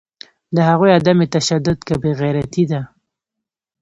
د هغوی عدم تشدد که بیغیرتي ده